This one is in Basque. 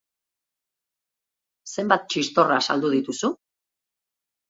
Zenbat txistorra saldu dituzu?